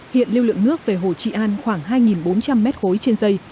hiện lưu lượng nước về hồ trị an khoảng hai bốn trăm linh mét khối trên dây